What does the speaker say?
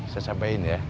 saya sampaikan ya